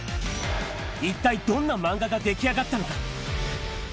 一体どんな漫画が出来上がったのか。